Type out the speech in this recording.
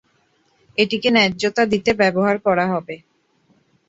এটিকে ন্যায্যতা দিতে ব্যবহার করা হবে।